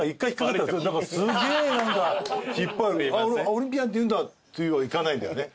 「オリンピアンって言うんだ」ってはいかないんだよね。